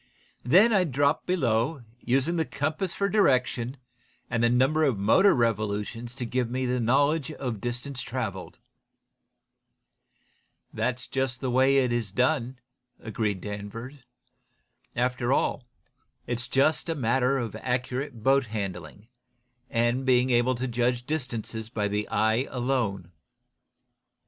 "Then I'd drop below, using the compass for direction, and the number of motor revolutions to give me the knowledge of distance traveled." "That's just the way it is done," agreed Danvers. "After all, it's just a matter of accurate boat handling, and being able to judge distances by the eye alone.